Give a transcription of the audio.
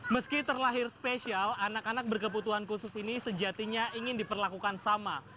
meski terlahir spesial anak anak berkebutuhan khusus ini sejatinya ingin diperlakukan sama